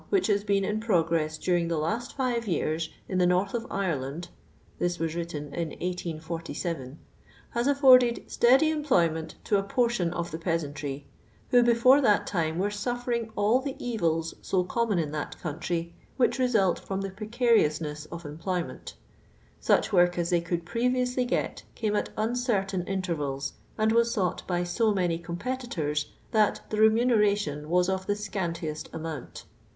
which his been in pronnresa ilnrinjj the last tivo yrars, in the niirth uf Ireland (this wai written in 1847), has afforded I •leady empluymcMit to a portion of the peasantry, who befure that time were sntforir.g all the evil$, I Bo common in timt country, which result from tlie procariou' ness of enn»h»yment. Such work m they j could previously •{ct came at uncertain intervals. ' and wa? sought by so many competitors, that the ' remuneration was of the scantiest nm'nint.